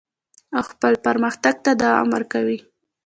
او خپل پرمختګ ته دوام ورکوي.